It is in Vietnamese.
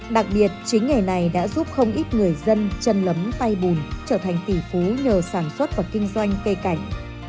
đặc biệt chính nghề này đã giúp không ít người dân chân lấm tay bùn trở thành tỷ phú nhờ sản xuất và kinh doanh cây cảnh